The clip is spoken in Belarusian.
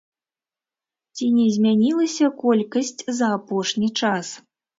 Ці не змянялася колькасць за апошні час?